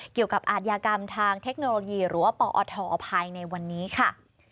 เกี่ยวกับอาชญากรรมทางเทคโนโลยีหรือว่าปอภภายในวันนี้ค่ะ